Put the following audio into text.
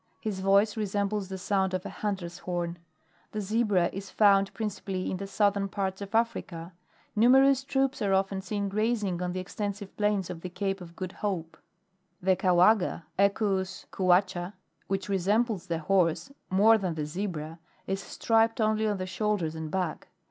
His voice resembles the sound of a hunter's horn. The Zebra is found principally in the southern parts of Africa ; numerous troops are often seen grazing on the extensive plains of the Cape of Good Hope. 23. [The Ct)uagqa, Eqtms Quaccha, which resembles the Horse more than the Zebra, is striped only on the shoulders and back.